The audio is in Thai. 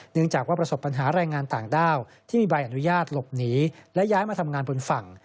เนื่องจากว่าประสบปัญหาแรงงานต่างด้าวที่มีใบอนุญาตหลบหนีและย้ายมาทำงานบนฝั่ง